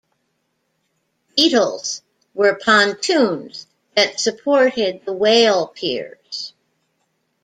"Beetles" were pontoons that supported the "Whale" piers.